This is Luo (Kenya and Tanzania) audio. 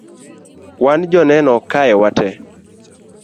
wan joneno kae wate